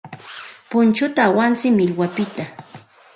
Punchuta awantsik millwapiqta.